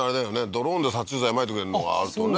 ドローンで殺虫剤まいてくれるのがあるとね